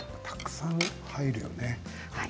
たくさん入るよね。